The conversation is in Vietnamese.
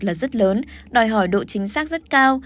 là rất lớn đòi hỏi độ chính xác rất cao